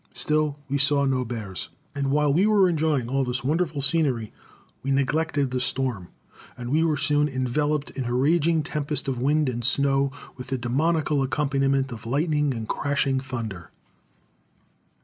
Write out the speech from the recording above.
Still we saw no bears, and while we were enjoying all this wonderful scenery we neglected the storm, and were soon enveloped in a raging tempest of wind and snow with a demoniacal accompaniment of lightning and crashing thunder.